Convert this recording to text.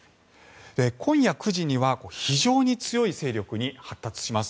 今夜９時には非常に強い勢力に発達します。